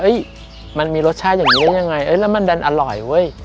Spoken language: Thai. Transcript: มันมีรสชาติอย่างนี้ได้ยังไงแล้วมันดันอร่อยเว้ย